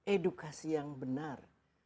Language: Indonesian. edukasi yang benar